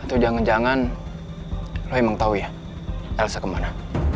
atau jangan jangan lo emang tahu ya elsa kemana